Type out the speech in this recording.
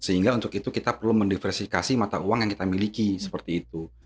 sehingga untuk itu kita perlu mendiversifikasi mata uang yang kita miliki seperti itu